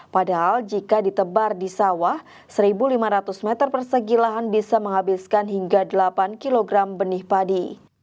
padahal jika ditebar di sawah seribu lima ratus meter persegi lahan bisa menghabiskan hingga delapan kg benih padi